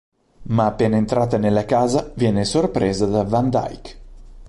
Ma, appena entrata nella casa, viene sorpresa da Van Dyke.